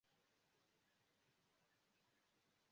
Ni povas ja pruntepreni intertempe.